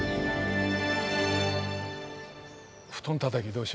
布団たたきどうしようか。